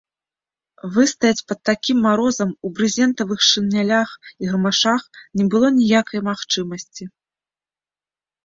Выстаяць пад такім марозам у брызентавых шынялях і гамашах не было ніякай магчымасці.